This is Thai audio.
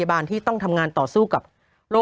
โหยวายโหยวายโหยวาย